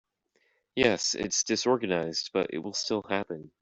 Yes, it’s disorganized but it will still happen.